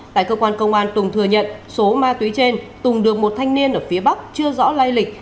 tại cơ quan công an tùng thừa nhận số ma túy trên tùng được một thanh niên ở phía bắc chưa rõ lai lịch